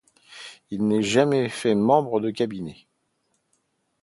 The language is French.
Il n'est jamais fait membre du Cabinet.